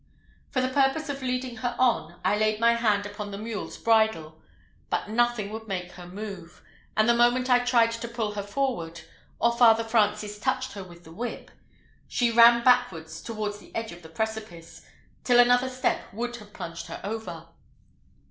For the purpose of leading her on, I laid my hand upon the mule's bridle, but nothing would make her move; and the moment I tried to pull her forward, or Father Francis touched her with the whip, she ran back towards the edge of the precipice, till another step would have plunged her over.